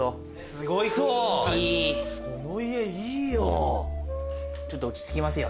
この家いいよ。